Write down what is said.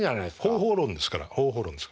方法論ですから方法論です。